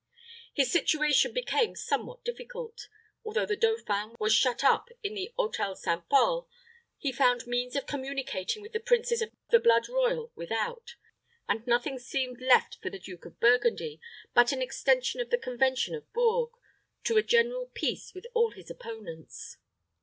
His situation became somewhat difficult. Although the dauphin was shut up in the Hôtel St. Pol, he found means of communicating with the princes of the blood royal without; and nothing seemed left for the Duke it Burgundy but an extension of the convention of Bourges to a general peace with all his opponents.